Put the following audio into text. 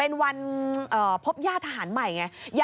ขอบคุณครับ